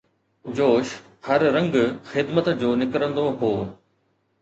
جوش، هر رنگ خدمت جو نڪرندو هو